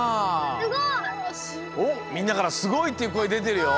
すごい！おっみんなから「すごい」っていうこえでてるよ。